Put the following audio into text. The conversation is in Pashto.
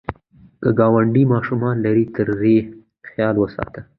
که ګاونډی ماشوم لري، ترې خیال وساته